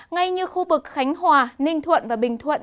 ngay như khu vực khánh hòa ninh thuận và bình thuận